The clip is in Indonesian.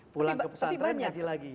pulang ke pesantren jadi lagi